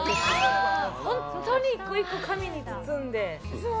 本当に１個１個、紙に包んで。